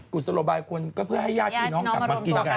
กุจะสะโลบายคนก็ให้ยากีน้องกลับมากินซะกัน